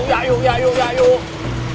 ya yuk ya yuk ya yuk